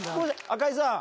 赤井さん。